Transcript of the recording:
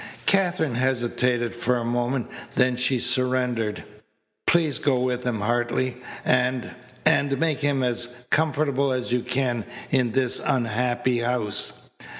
Katherine hesitated for a moment, then she surrendered. "Please go with him, Hartley, and and make him as comfortable as you can in this unhappy house."